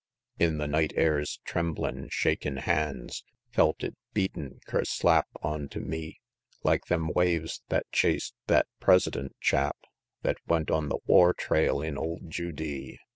XXV. In the night air's tremblin', shakin' hands Felt it beatin' kerslap onto me, Like them waves thet chas'd thet President chap Thet went on the war trail in old Judee.